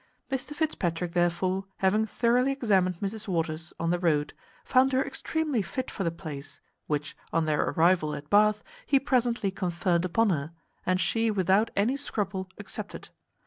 Mr Fitzpatrick therefore, having thoroughly examined Mrs Waters on the road, found her extremely fit for the place, which, on their arrival at Bath, he presently conferred upon her, and she without any scruple accepted.